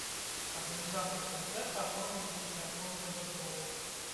Арганізатары канцэрта аформілі ўсе неабходныя дазволы.